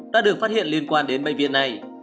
đã được phát hiện liên quan đến bệnh viện này